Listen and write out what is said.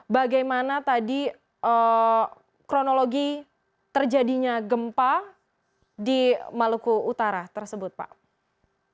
bagaimana tadi kronologi terjadinya gempa di maluku utara tersebut pak